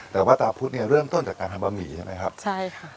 แต่ว่าตาพุทธเนี่ยเริ่มต้นจากการทำบะหมี่ใช่ไหมครับใช่ค่ะ